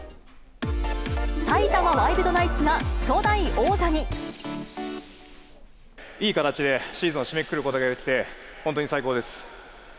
埼玉ワイルドナイツが初代王いい形でシーズンを締めくくることができて、本当に最高です。